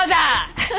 フフ。